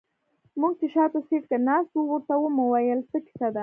موږ چې شاته سيټ کې ناست وو ورته ومو ويل څه کيسه ده.